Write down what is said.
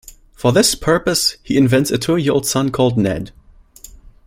For this purpose, he invents a two-year-old son called Ned.